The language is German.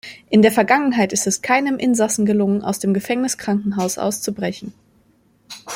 In der Vergangenheit ist es keinem Insassen gelungen, aus dem Gefängniskrankenhaus auszubrechen.